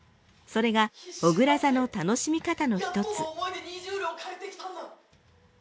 それがおぐら座の楽しみ方の一つ。